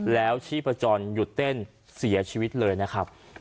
แล้วชีพจรหยุดเต้นเสียชีวิตเลยนะครับ